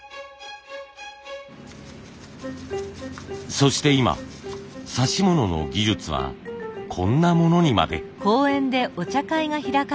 そして今指物の技術はこんなものにまで。